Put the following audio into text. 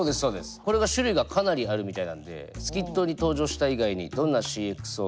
これが種類がかなりあるみたいなんでスキットに登場した以外にどんなＣｘＯがあるのか調べました。